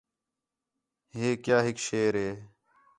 ہِے کیا ہِک شیر ہِے